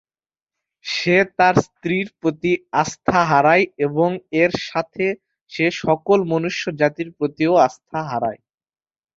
সে তার স্ত্রীর প্রতি আস্থা হারায় এবং এর সাথে সে সকল মনুষ্য জাতির প্রতিও আস্থা হারায়।